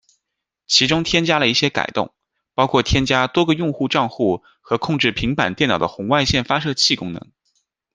其中添加了一些改动，包括添加多个用户帐户和控制平板电脑的红外线发射器功能。